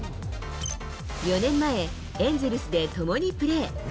４年前、エンゼルスで共にプレー。